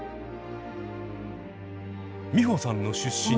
美穂さんの出身。